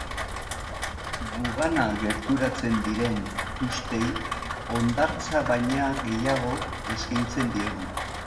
Gugana gerturatzen diren tustei hondartza baina gehiago eskeitzen diegu.